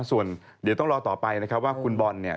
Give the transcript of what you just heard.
ส่วนเดี๋ยวต้องรอต่อไปนะครับว่าคุณบอลเนี่ย